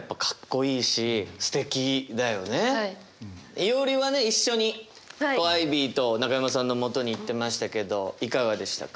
いおりはね一緒にアイビーと中山さんのもとに行ってましたけどいかがでしたか？